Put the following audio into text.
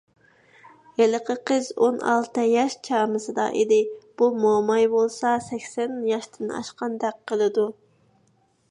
ھېلىقى قىز ئون ئالتە ياش چامىسىدا ئىدى، بۇ موماي بولسا سەكسەن ياشتىن ئاشقاندەك قىلىدۇ.